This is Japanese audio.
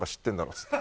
っつって。